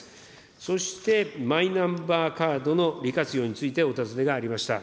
そして、マイナンバーカードの利活用についてお尋ねがありました。